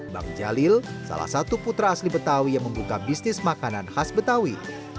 bang jalil salah satu putra asli betawi yang membuka bisnis makanan khas betawi